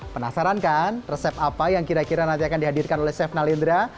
penasaran kan resep apa yang kira kira nanti akan dihadirkan oleh chef nalindra